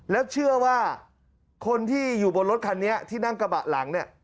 แล้วเชื่อว่าคนที่อยู่บนรถคันนี้ที่นั่งกระบะหลังเนี่ย